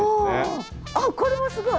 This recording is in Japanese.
あっこれもすごい。